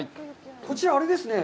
こちらあれですね。